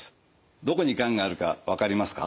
どこにがんがあるか分かりますか？